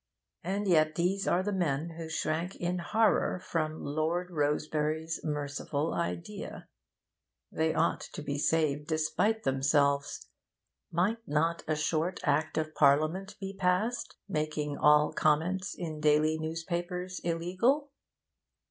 And yet these are the men who shrank in horror from Lord Rosebery's merciful idea. They ought to be saved despite themselves. Might not a short Act of Parliament be passed, making all comment in daily newspapers illegal?